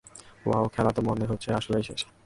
Wow, খেলা তো মনে হচ্ছে আসলেই শেষ!